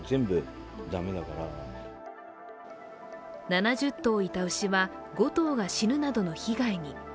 ７０頭いた牛は５頭が死ぬなどの被害に。